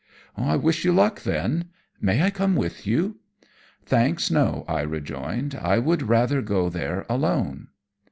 "I wish you luck, then. May I come with you?" "Thanks, no!" I rejoined. "I would rather go there alone."